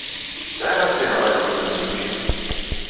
Sɛiɣ asihaṛ akked yemsujji.